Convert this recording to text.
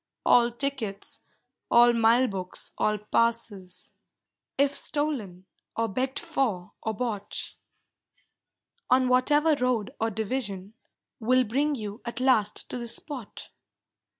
All tickets, all mile books, all passes, If stolen or begged for or bought, On whatever road or division, Will bring you at last to this spot.